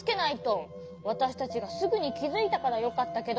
わたしたちがすぐにきづいたからよかったけど。